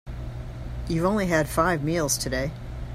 You've only had five meals today.